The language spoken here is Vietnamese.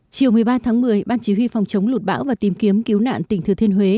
chiều một mươi ba tháng một mươi ban chỉ huy phòng chống lụt bão và tìm kiếm cứu nạn tỉnh thừa thiên huế